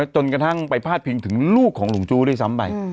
จนกระทั่งไปพาดพิงถึงลูกของหลงจู้ด้วยซ้ำไป